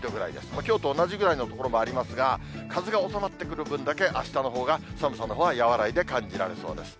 きょうと同じぐらいの所もありますが、風が収まってくる分だけ、あしたのほうが寒さのほうは和らいで感じられそうです。